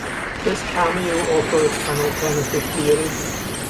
This cameo offers an alternative theory.